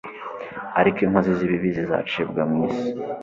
ariko inkozi z ibibi zizacibwa mu isi